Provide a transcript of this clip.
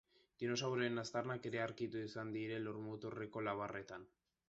Dinosauroen aztarnak ere aurkitu izan dira lurmuturreko labarretan.